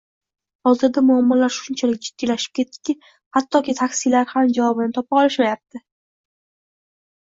Hozirda muammolar shunchalik jiddiylashib ketdi-ki, hattoki taksichilar ham javobini topa olishmayapti...